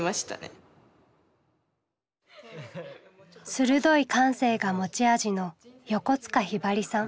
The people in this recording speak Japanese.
鋭い感性が持ち味の横塚ひばりさん。